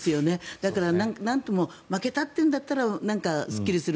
だから、なんとも負けたっていうんだったらすっきりする。